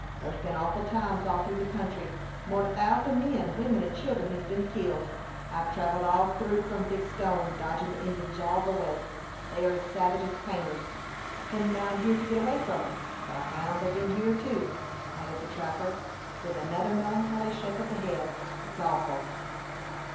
Thyer's ben awful times all through the country; more 'n a thousand men, women, and children hes ben killed. I've trevelled all through from Big Stone, dodgin' the Injins all the way. They are as savage as painters. I kim down hyer to git away from 'em, but I found they'd ben hyer too," added the trapper, with another melancholy shake of the head. "It's awful."